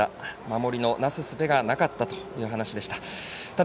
守りのなすすべがなかったという話でした。